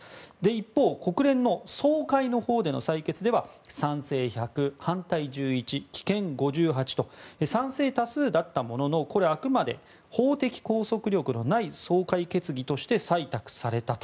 一方国連の総会のほうでの採決では賛成１００、反対１１棄権５８と賛成多数だったもののこれ、あくまで法的拘束力のない総会決議として採択されたと。